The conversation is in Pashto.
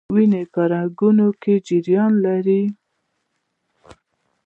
وینه په رګونو کې جریان لري